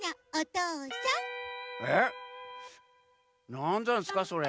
なんざんすかそれ？